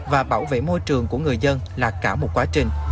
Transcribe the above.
và bảo vệ môi trường của người dân là cả một quá trình